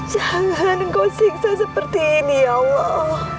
jangan kau siksa seperti ini ya allah